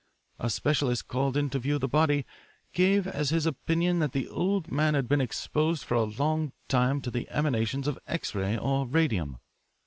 A specialist called in to view the body gave as his opinion that the old man had been exposed for a long time to the emanations of X ray or radium.